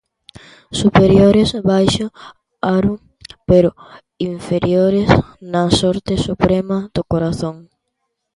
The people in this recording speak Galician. Superiores baixo aro pero inferiores na sorte suprema do corazón.